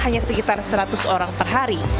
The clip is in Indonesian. hanya sekitar seratus orang per hari